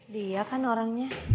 dia kan orangnya